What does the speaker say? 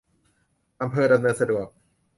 อำเภอดำเนินสะดวก